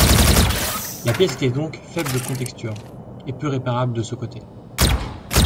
La pièce était donc faible de contexture et peu réparable de ce côté.